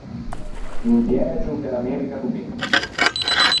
Un viægio inte l’America do mezo.